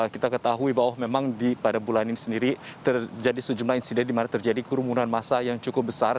kita ketahui bahwa memang pada bulan ini sendiri terjadi sejumlah insiden di mana terjadi kerumunan masa yang cukup besar